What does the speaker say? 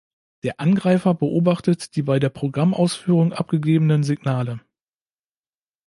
Der Angreifer beobachtet die bei der Programmausführung abgegebenen Signale.